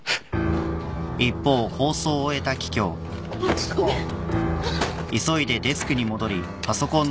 ちょっとごめん。